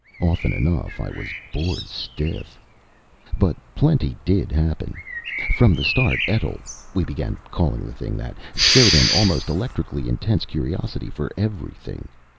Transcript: Often enough I was bored stiff. But plenty did happen. From the start Etl we began calling the thing that showed an almost electrically intense curiosity for everything.